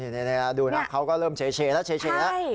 นี่ดูนะเขาก็เริ่มเฉแล้ว